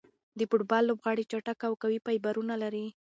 د فوټبال لوبغاړي چټک او قوي فایبرونه لري.